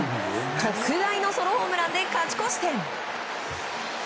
特大のソロホームランで勝ち越し点。